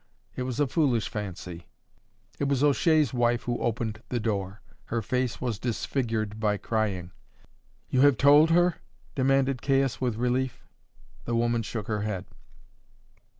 It was a foolish fancy. It was O'Shea's wife who opened the door; her face was disfigured by crying. "You have told her?" demanded Caius, with relief. The woman shook her head.